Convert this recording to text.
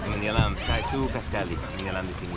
menyelam saya suka sekali menyelam di sini